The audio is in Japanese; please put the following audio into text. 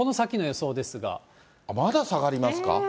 まだ下がりますか？